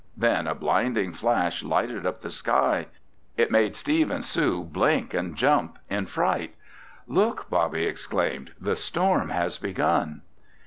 Then a blinding flash lighted up the sky. It made Steve and Sue blink and jump in fright. "Look!" Bobby exclaimed. "The storm has begun!"